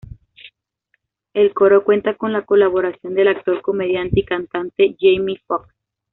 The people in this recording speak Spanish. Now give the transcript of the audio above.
El coro cuenta con la colaboración del actor, comediante y cantante Jamie Foxx.